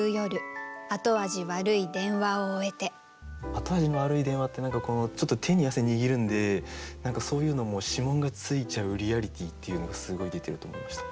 後味の悪い電話って何かちょっと手に汗握るんで何かそういうのも指紋がついちゃうリアリティーっていうのがすごい出てると思いました。